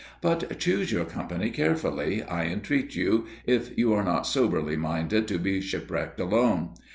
But choose your company carefully, I entreat you, if you are not soberly minded to be shipwrecked alone.